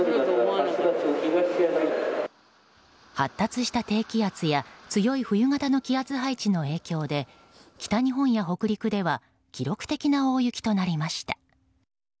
発達した低気圧や強い冬型の気圧配置の影響で北日本や北陸では記録的な大雪となりました。